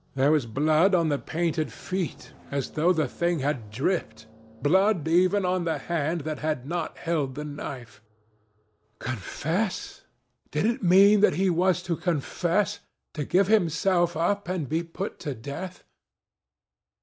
There was blood on the painted feet, as though the thing had dripped—blood even on the hand that had not held the knife. Confess? Did it mean that he was to confess? To give himself up and be put to death?